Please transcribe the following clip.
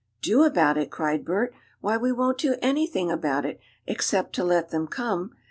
"Do about it?" cried Bert. "Why, we won't do anything about it, except to let them come.